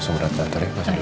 setia rata orang lainnya